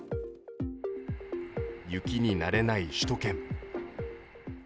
雪に慣れない首都圏。